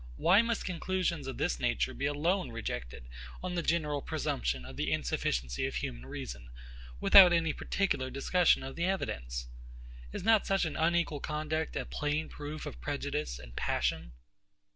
Why must conclusions of this nature be alone rejected on the general presumption of the insufficiency of human reason, without any particular discussion of the evidence? Is not such an unequal conduct a plain proof of prejudice and passion?